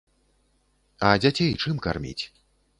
А дзяцей чым карміць?